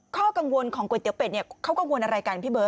ข้อกังวลของก๋วยเตี๋ยเป็ดเนี่ยเขากังวลอะไรกันพี่เบิร์